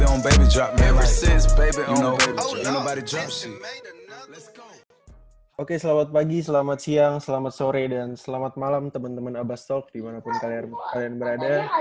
oke selamat pagi selamat siang selamat sore dan selamat malam teman teman abbastov dimanapun kalian berada